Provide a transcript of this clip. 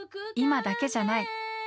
今だけじゃない。